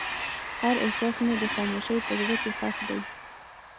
هر احساس مې د خاموشۍ په زړه کې ښخ دی.